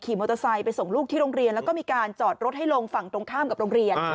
มอเตอร์ไซค์ไปส่งลูกที่โรงเรียนแล้วก็มีการจอดรถให้ลงฝั่งตรงข้ามกับโรงเรียน